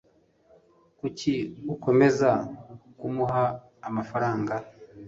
Kuki ukomeza kumuha amafaranga?